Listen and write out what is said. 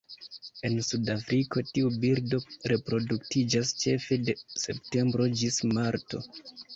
En Sudafriko, tiu birdo reproduktiĝas ĉefe de septembro ĝis marto.